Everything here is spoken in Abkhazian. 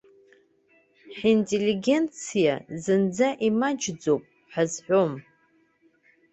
Ҳинтеллигенциа зынӡа имаҷӡоуп ҳазҳәом.